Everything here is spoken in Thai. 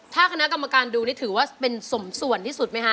ถ้าคณะกรรมการดูนี่ถือว่าเป็นสมส่วนที่สุดไหมคะ